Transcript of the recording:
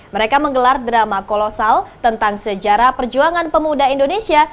mereka menggelar drama kolosal tentang sejarah perjuangan pemuda indonesia